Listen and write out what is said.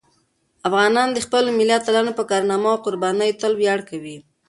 افغانان د خپلو ملي اتلانو په کارنامو او قربانیو تل ویاړ کوي.